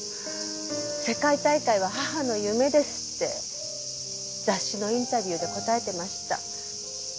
世界大会は母の夢ですって雑誌のインタビューで答えてました。